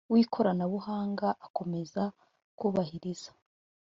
w ikoranabuhanga akomeza kubahiriza